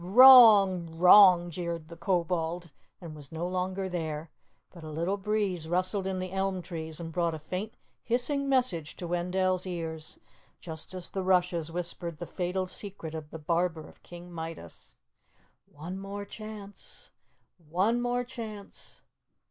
"Wrong! Wrong!" jeered the Kobold and was no longer there. But a little breeze rustled in the elm trees and brought a faint hissing message to Wendell's ears, just as the rushes whispered the fatal secret of the barber of King Midas: "One more chance! One more chance!"